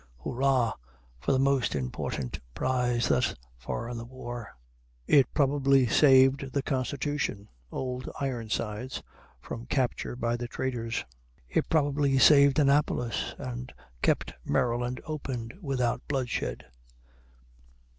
Hurrah for the most important prize thus far in the war! It probably saved the "Constitution," "Old Ironsides," from capture by the traitors. It probably saved Annapolis, and kept Maryland open without bloodshed.